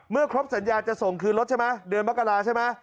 ครบสัญญาจะส่งคืนรถใช่ไหมเดือนมกราใช่ไหม